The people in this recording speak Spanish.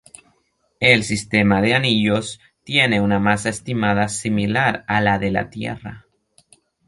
El sistema de anillos tiene una masa estimada similar a la de la Tierra.